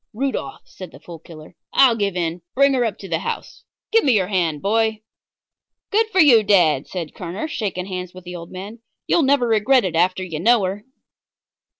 "Rudolf," said the Fool Killer, "I'll give in. Bring her up to the house. Give me your hand, boy." "Good for you, dad," said Kerner, shaking hands with the old man. "You'll never regret it after you know her."